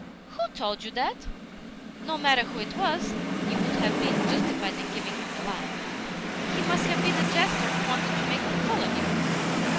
"Who told you that? No matter who it was, you would have been justified in giving him the lie. He must have been a jester who wanted to make a fool of you.